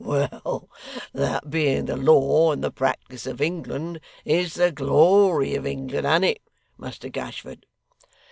Well! That being the law and the practice of England, is the glory of England, an't it, Muster Gashford?